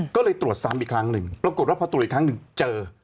ก็เลยตรวจซ้ำอีกครั้งหนึ่งปรากฏว่าพอตรวจอีกครั้งหนึ่งเจอ